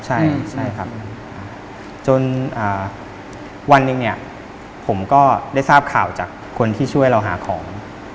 จนวันหนึ่งผมก็ได้ทราบข่าวจากคนที่ช่วยเราหาของ